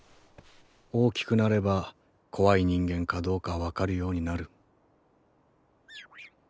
大きくなれば怖い人間かどうか分かるようになる。